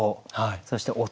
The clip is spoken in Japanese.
そして音。